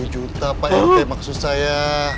dua puluh juta pak rt maksud saya